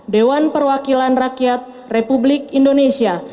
dewan perwakilan rakyat republik indonesia